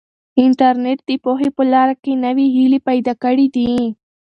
انټرنیټ د پوهې په لاره کې نوې هیلې پیدا کړي دي.